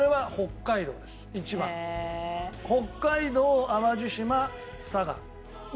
北海道淡路島佐賀。